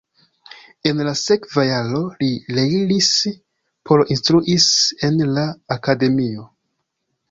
En la sekva jaro li reiris por instruis en la akademio.